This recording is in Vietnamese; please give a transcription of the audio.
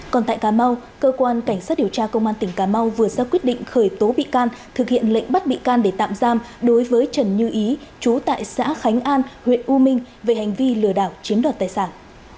còn tại cà mau cơ quan cảnh sát điều tra công an tỉnh cà mau vừa ra quyết định khởi tố bị can thực hiện lệnh bắt bị can để tạm giam đối với trần như ý chú tại xã khánh an huyện u minh về hành vi lừa đảo chiếm đoạt tài sản